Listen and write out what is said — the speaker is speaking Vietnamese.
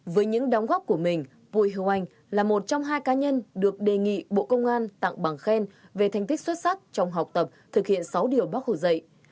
với những đóng góp của mình bùi hưu anh là một trong hai cá nhân được đề nghị bộ công an tặng bằng khen về thành tích xuất sắc trong học tập thực hiện sáu điều bác hồ dạy